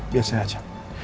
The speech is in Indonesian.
biar saya aja